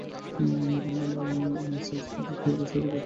আপনি না আমার সাইন্স প্রোজেক্টে সাহায়তা করতে চেয়েছিলেন?